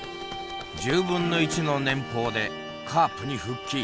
１０分の１の年俸でカープに復帰。